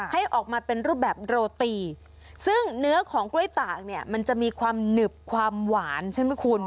ให้ออกมาเป็นรูปแบบโรตีซึ่งเนื้อของกล้วยตากเนี่ยมันจะมีความหนึบความหวานใช่ไหมคุณ